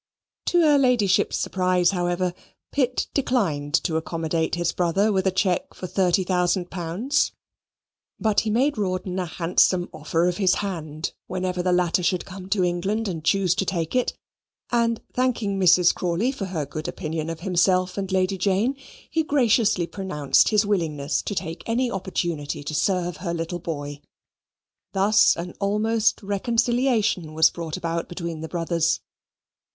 To her Ladyship's surprise, however, Pitt declined to accommodate his brother with a cheque for thirty thousand pounds. But he made Rawdon a handsome offer of his hand whenever the latter should come to England and choose to take it; and, thanking Mrs. Crawley for her good opinion of himself and Lady Jane, he graciously pronounced his willingness to take any opportunity to serve her little boy. Thus an almost reconciliation was brought about between the brothers.